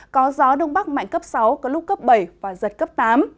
có gió đông bắc mạnh cấp sáu có lúc cấp bảy và giật cấp tám